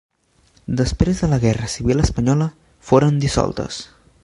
Després de la guerra civil espanyola foren dissoltes.